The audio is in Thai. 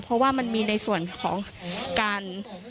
เพราะว่ามันมีในส่วนของการ